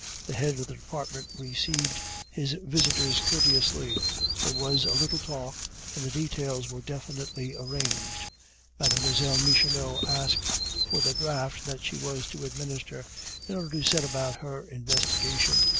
The head of the department received his visitors courteously. There was a little talk, and the details were definitely arranged. Mlle. Michonneau asked for the draught that she was to administer in order to set about her investigation.